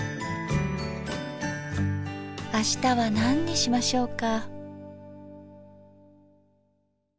あしたは何にしましょうか。